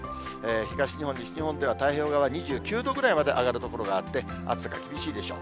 東日本、西日本では太平洋側２９度ぐらいまで上がる所があって、暑さが厳しいでしょう。